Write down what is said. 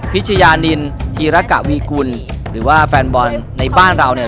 ชญานินธีรกะวีกุลหรือว่าแฟนบอลในบ้านเราเนี่ย